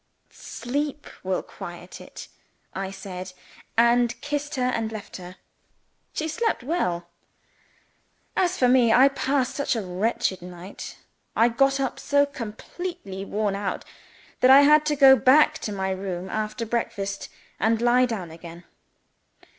"Sleep will quiet it," I said and kissed her, and left her. She slept well. As for me, I passed such a wretched night, and got up so completely worn out, that I had to go back to my room after breakfast, and lie down again.